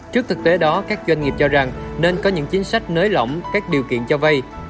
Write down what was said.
trước thực tế đó các doanh nghiệp cho rằng nên có những chính sách nới lỏng các điều kiện cho vay